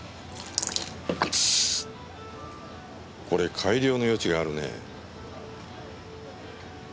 これ改良の余地があるね。